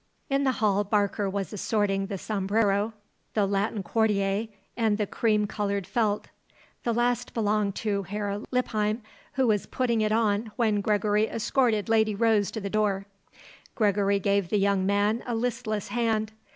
In the hall Barker was assorting the sombrero, the Latin Quartier and the cream coloured felt; the last belonged to Herr Lippheim, who was putting it on when Gregory escorted Lady Rose to the door. Gregory gave the young man a listless hand.